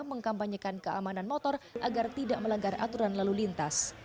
mengkampanyekan keamanan motor agar tidak melanggar aturan lalu lintas